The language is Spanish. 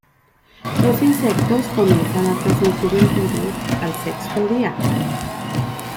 Los insectos comienzan a transmitir el virus al sexto día.